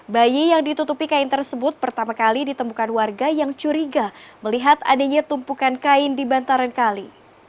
bayi yang ditutupi kain tersebut pertama kali ditemukan warga yang curiga melihat adanya tumpukan kain di bantaran kali